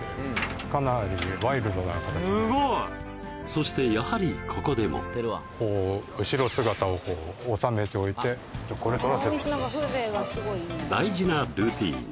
そしてやはりここでもこう後ろ姿を収めておいてちょっとこれ撮らせてもらって大事なルーティン